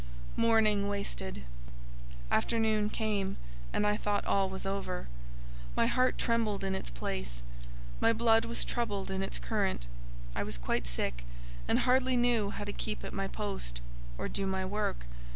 Morning wasted. Afternoon came, and I thought all was over. My heart trembled in its place. My blood was troubled in its current. I was quite sick, and hardly knew how to keep at my post—or do my work.